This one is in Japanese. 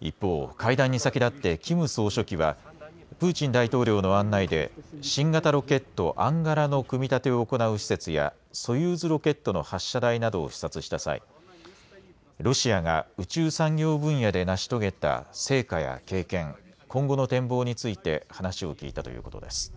一方、会談に先立ってキム総書記はプーチン大統領の案内で新型ロケット、アンガラの組み立てを行う施設やソユーズロケットの発射台などを視察した際、ロシアが宇宙産業分野で成し遂げた成果や経験、今後の展望について話を聞いたということです。